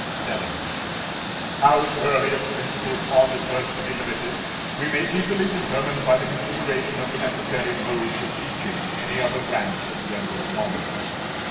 VII. How surely its principles ought at first to be limited, we may easily determine by the consideration of the necessary modes of teaching any other branch of general knowledge.